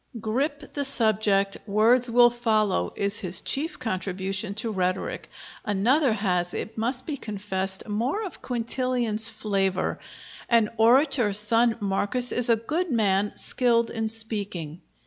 "Grip the subject: words will follow," is his chief contribution to rhetoric. Another has, it must be confessed, more of Quintilian's flavor: "An orator, son Marcus, is a good man skilled in speaking."